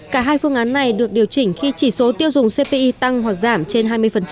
cả hai phương án này được điều chỉnh khi chỉ số tiêu dùng cpi tăng hoặc giảm trên hai mươi